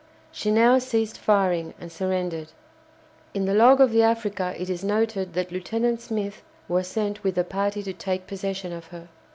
She now ceased firing and surrendered. In the log of the "Africa" it is noted that Lieutenant Smith was sent with a party to take possession of her.